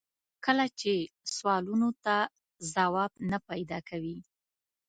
کله چې سوالونو ته ځواب نه پیدا کوي.